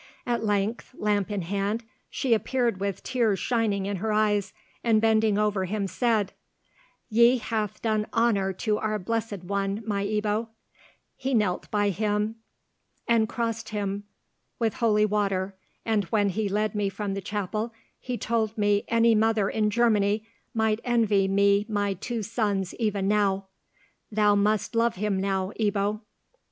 At length, lamp in hand, she appeared with tears shining in her eyes, and bending over him said, "He hath done honour to our blessed one, my Ebbo; he knelt by him, and crossed him with holy water, and when he led me from the chapel he told me any mother in Germany might envy me my two sons even now. Thou must love him now, Ebbo."